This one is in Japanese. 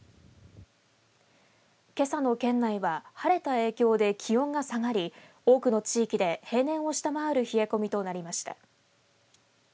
けさの県内は晴れた影響で気温が下がり多くの地域で平年を下回る冷え込みとなりました。